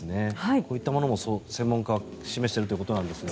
こういったものも、専門家は示しているということですが。